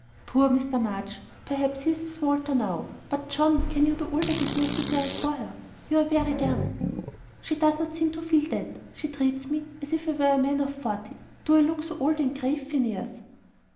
"Poor Mr. March! perhaps he is with Walter, now. But, John, can you do all that is necessary for her? You are very young." "She does not seem to feel that. She treats me as if I were a man of forty. Do I look so old and grave, Phineas?"